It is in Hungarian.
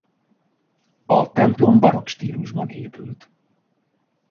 A templom barokk stílusban épült.